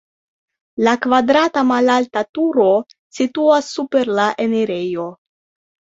La kvadrata malalta turo situas super la enirejo.